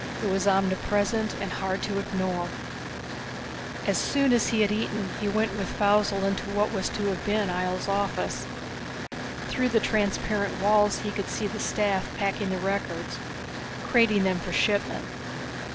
It was omnipresent and hard to ignore. As soon as he had eaten he went with Faussel into what was to have been Ihjel's office. Through the transparent walls he could see the staff packing the records, crating them for shipment.